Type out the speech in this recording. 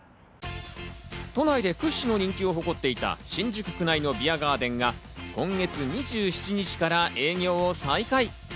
都内で屈指の人気を誇っていた新宿区内のビアガーデンが今月２７日から営業を再開。